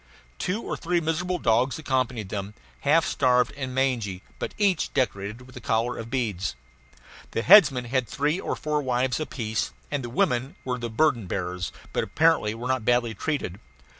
Two or three miserable dogs accompanied them, half starved and mangy, but each decorated with a collar of beads. The headmen had three or four wives apiece, and the women were the burden bearers, but apparently were not badly treated.